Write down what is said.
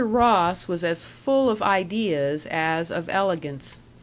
Ross was as full of ideas as of elegance.